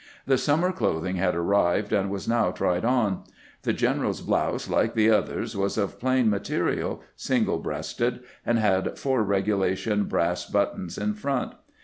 The summer clothing had arrived, and was now tried on. The general's blouse, like the others, was of plain ma terial, single breasted, and had four regulation brass buttons in front.